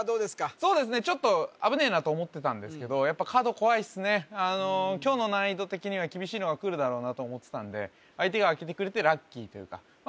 そうですねちょっと危ねえなと思ってたんですけどやっぱあの今日の難易度的には厳しいのがくるだろうなと思ってたんで相手が開けてくれてラッキーというかまあ